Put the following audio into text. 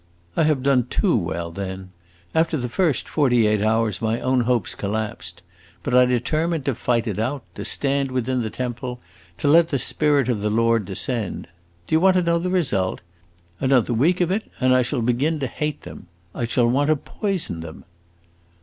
"I have done too well, then. After the first forty eight hours my own hopes collapsed. But I determined to fight it out; to stand within the temple; to let the spirit of the Lord descend! Do you want to know the result? Another week of it, and I shall begin to hate them. I shall want to poison them."